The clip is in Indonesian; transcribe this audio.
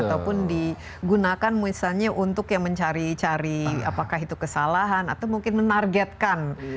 ataupun digunakan misalnya untuk yang mencari cari apakah itu kesalahan atau mungkin menargetkan